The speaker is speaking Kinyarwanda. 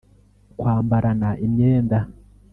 kwambarana imyenda